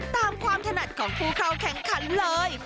ตามความถนัดของผู้เข้าแข่งขันเลย